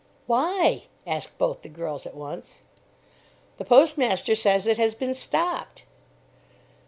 "Why?" asked both the girls at once. "The postmaster says it has been stopped."